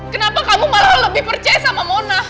kenapa kamu malah lebih percaya sama mona